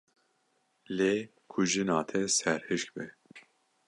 Lê ku jina te serhişk be.